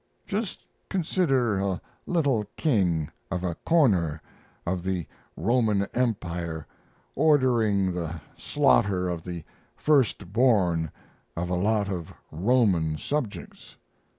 Just consider a little king of a corner of the Roman Empire ordering the slaughter of the first born of a lot of Roman subjects.